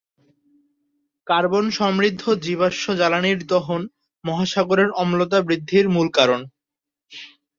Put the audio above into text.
কার্বন-সমৃদ্ধ জীবাশ্ম জ্বালানির দহন মহাসাগরের অম্লতা বৃদ্ধির মূল কারণ।